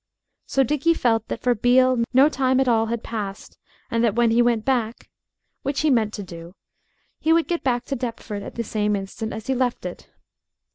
So Dickie felt that for Beale no time at all had passed, and that when he went back which he meant to do he would get back to Deptford at the same instant as he left it.